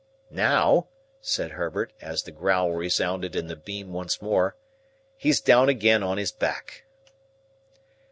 Now," said Herbert, as the growl resounded in the beam once more, "he's down again on his back!"